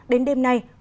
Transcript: đến đêm nay mưa rất lớn